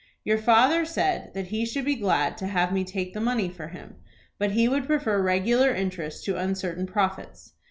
'" "Your father said that he should be glad to have me take the money for him, but he would prefer regular interest to uncertain profits.